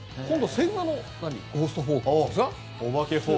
千賀のゴーストフォークは？